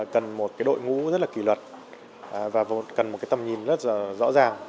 cần một đội ngũ rất là kỷ luật và cần một tầm nhìn rất rõ ràng